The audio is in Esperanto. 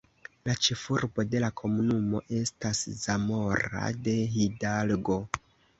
La ĉefurbo de la komunumo estas Zamora de Hidalgo.